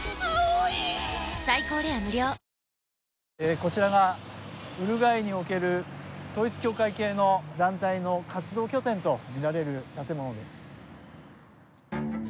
こちらがウルグアイにおける統一教会系の団体の活動拠点とみられる建物です。